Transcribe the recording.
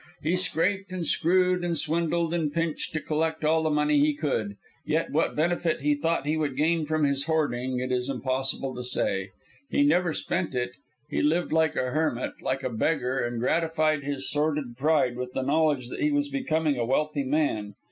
He scraped and screwed, and swindled, and pinched to collect all the money he could; yet what benefit he thought he would gain from this hoarding it is impossible to say. He never spent it, he lived like a hermit, like a beggar, and gratified his sordid pride with the knowledge that he was becoming a wealthy man.